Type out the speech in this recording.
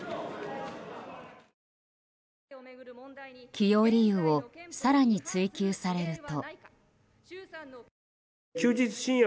起用理由を更に追及されると。